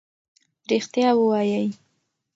ریښتیا ووایئ.